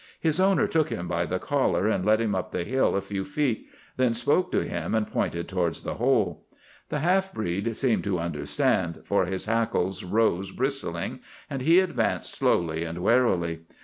His owner took him by the collar and led him up the hill a few feet, then spoke to him and pointed towards the hole. The half breed seemed to understand, for his hackles rose bristling, and he advanced slowly and warily.